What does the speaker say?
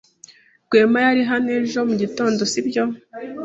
Rwema yari hano ejo mugitondo, sibyo?